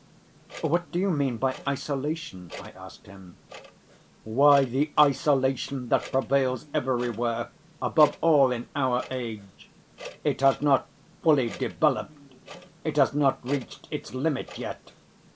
"What do you mean by isolation?" I asked him. "Why, the isolation that prevails everywhere, above all in our age—it has not fully developed, it has not reached its limit yet.